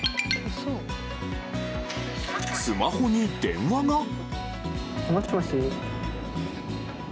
スマホに電話が？